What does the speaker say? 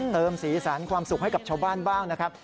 สีสันความสุขให้กับชาวบ้านบ้างนะครับ